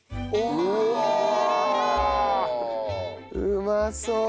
うまそう！